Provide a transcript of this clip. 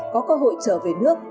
có cơ hội trở về nước ngoài